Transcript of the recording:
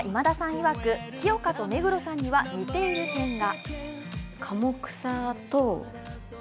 いわく清霞と目黒さんには似ている点が。